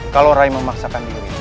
kalau rais memaksakan diri